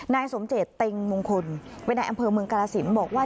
นายสมเจตเต็งมงคลเป็นนายอำเภอเมืองกาลสินบอกว่า